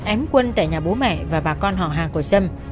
ém quân tại nhà bố mẹ và bà con họ hàng của sâm